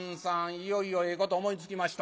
いよいよええこと思いつきました」。